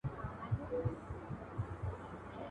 د نورو د معتقداتو احترام کول اخلاقي دنده ده.